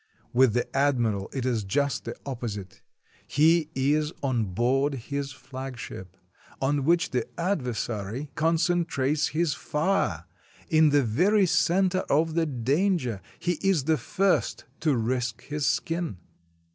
With the admiral it is just the op posite. He is on board his flagship, on which the adver sary concentrates his fire, in the very center of the dan ger, he is the first to risk his skin.